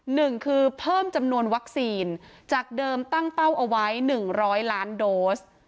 หนึ่งคือเพิ่มจำนวนวัคซีนจากเดิมตั้งเป้าเอาไว้หนึ่งร้อยล้านโดส